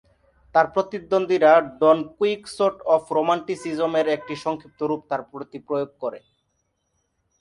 তার প্রতিদ্বন্দ্বীরা "Don Quixote of রোমান্টিকিজম" এর একটি সংক্ষিপ্ত রুপ তার প্রতি প্রয়োগ করে।